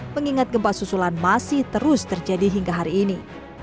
mengingat gempa susulan masih terus terjadi hingga hari ini